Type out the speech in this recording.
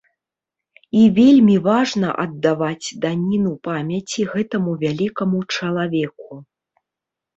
І вельмі важна аддаваць даніну памяці гэтаму вялікаму чалавеку.